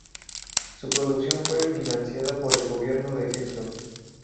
Su producción fue financiada por el Gobierno de Egipto.